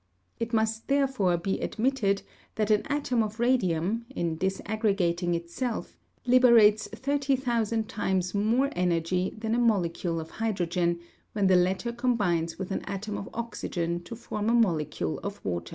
It must therefore be admitted that an atom of radium, in disaggregating itself, liberates 30,000 times more energy than a molecule of hydrogen when the latter combines with an atom of oxygen to form a molecule of water.